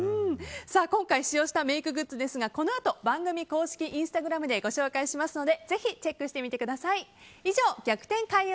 今回、使用したメイクグッズですがこのあと番組公式インスタグラムでご紹介しますのでぜひチェックしてみてください。